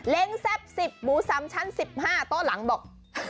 เล้งแซ่บ๑๐หมูสำชัน๑๕โต๊ะหลังเบาะ